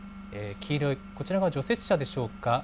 黄色い、こちらは除雪車でしょうか。